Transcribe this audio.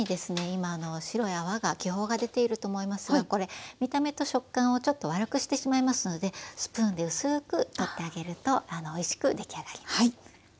今あの白い泡が気泡が出ていると思いますがこれ見た目と食感をちょっと悪くしてしまいますのでスプーンで薄く取ってあげるとおいしく出来上がります。